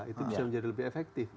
itu bisa menjadi lebih efektif